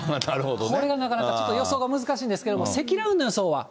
これがなかなか、ちょっと予想が難しいんですけど、積乱雲の予想は。